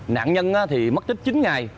nạn nhân thì mất tích chín ngày